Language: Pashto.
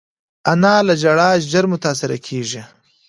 انا له ژړا ژر متاثره کېږي